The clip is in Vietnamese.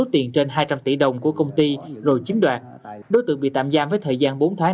tỷ đồng của công ty rồi chiếm đoạt đối tượng bị tạm giam với thời gian bốn tháng